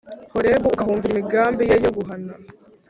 Horebu, ukahumvira imigambi ye yo guhana;